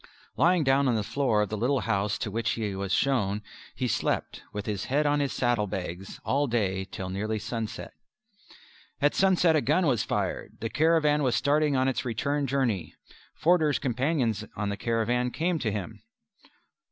Lying down on the floor of a little house to which he was shown, he slept, with his head on his saddlebags, all day till nearly sunset. At sunset a gun was fired. The caravan was starting on its return journey. Forder's companions on the caravan came to him.